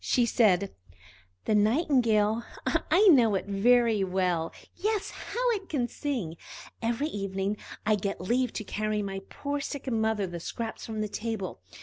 She said: "The Nightingale? I know it well; yes, how it can sing! Every evening I get leave to carry my poor sick mother the scraps from the table.